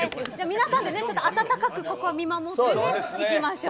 皆さんで温かく見守っていきましょう。